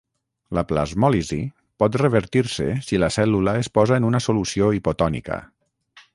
La plasmòlisi pot revertir-se si la cèl·lula es posa en una solució hipotònica.